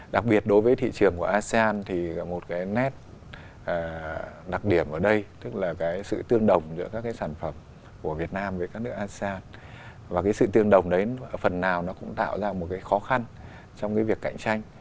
đặc biệt đối với thị trường của asean thì một nét đặc điểm ở đây tức là sự tương đồng giữa các sản phẩm của việt nam với các nước asean và sự tương đồng đấy phần nào cũng tạo ra một khó khăn trong việc cạnh tranh